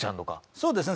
そうですね。